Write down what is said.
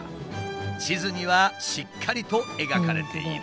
地図にはしっかりと描かれている。